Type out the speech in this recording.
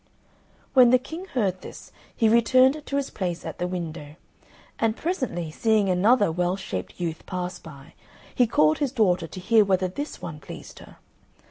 When the King heard this he returned to his place at the window, and presently, seeing another well shaped youth pass by, he called his daughter to hear whether this one pleased her.